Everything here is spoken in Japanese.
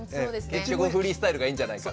結局フリースタイルがいいんじゃないか。